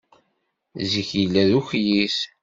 Zik yella d ukyis.